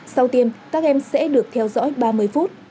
sau tiêm các em sẽ được theo dõi ba mươi phút